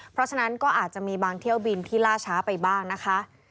เพราะฉะนั้นก็อาจจะมีบางเที่ยวบินที่ล่าช้าไปบ้างนะคะ